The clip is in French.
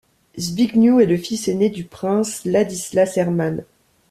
Zbigniew est le fils aîné du prince Ladislas Herman.